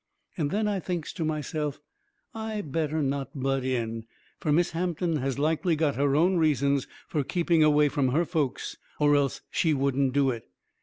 And then I thinks to myself I better not butt in. Fur Miss Hampton has likely got her own reasons fur keeping away from her folks, or else she wouldn't do it.